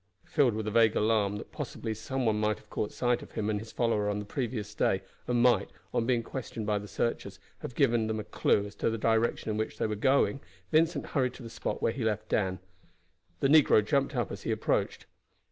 Filled with a vague alarm that possibly some one might have caught sight of him and his follower on the previous day, and might, on being questioned by the searchers, have given them a clew as to the direction in which they were going, Vincent hurried to the spot where he left Dan. The negro jumped up as he approached.